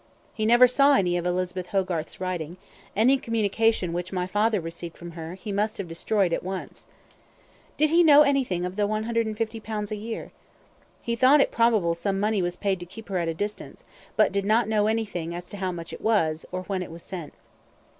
"He never saw any of Elizabeth Hogarth's writing. Any communication which my father received from her, he must have destroyed at once." "Did he know anything of the 150 pounds a year?" "He thought it probable some money was paid to keep her at a distance, but did not know anything as to how much it was, or when it was sent."